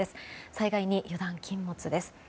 災害に油断禁物です。